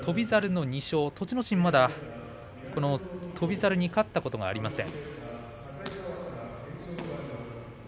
心はまだこの翔猿に勝ったことがありません。